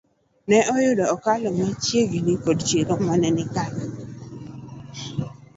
Ne oyudo okalo machiegni koda chiro ma kanyo.